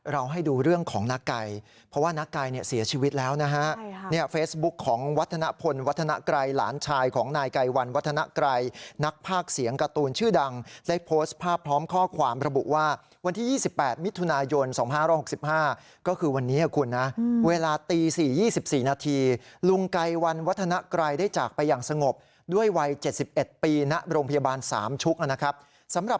วันนี้คือคุณไก่วันนี้คือคุณไก่วันนี้คือคุณไก่วันนี้คือคุณไก่วันนี้คือคุณไก่วันนี้คือคุณไก่วันนี้คือคุณไก่วันนี้คือคุณไก่วันนี้คือคุณไก่วันนี้คือคุณไก่วันนี้คือคุณไก่วันนี้คือคุณไก่วันนี้คือคุณไก่วันนี้คือคุณไก่วันนี้คือคุณไก่วันนี้คือคุณไก่วันนี้คือคุณไก่